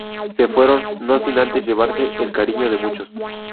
Se fueron, no sin antes llevarse el cariño de muchos.